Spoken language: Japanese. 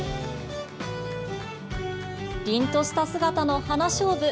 りんとした姿の花しょうぶ。